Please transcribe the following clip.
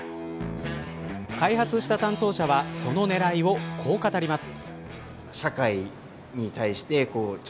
開発した担当者は、その狙いをこう語ります。